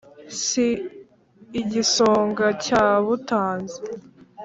Si igisonga cyabutanze